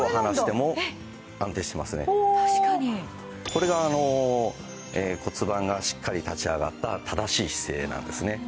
これが骨盤がしっかり立ち上がった正しい姿勢なんですね。